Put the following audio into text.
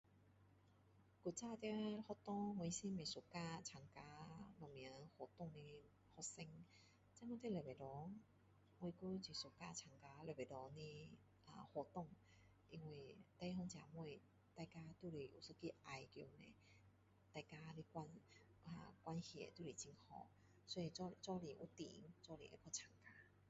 以前在学校我是不喜欢参加什么活动的学生现今在礼拜堂我还喜欢参加礼拜堂的啊活动因为弟兄姊妹大家有一个爱在那边大家关呃关系都是很好所以一起一起有伴一起会去参加